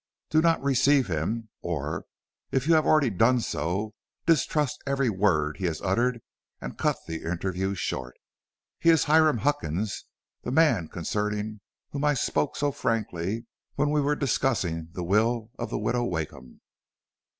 Do not receive him, or if you have already done so, distrust every word he has uttered and cut the interview short. He is Hiram Huckins, the man concerning whom I spoke so frankly when we were discussing the will of the Widow Wakeham.